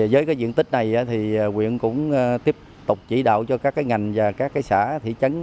với diện tích này quyện cũng tiếp tục chỉ đạo cho các ngành và các xã thị trấn